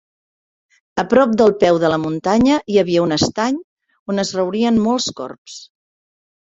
A prop del peu de la muntanya hi havia un estany on es reunien molts corbs.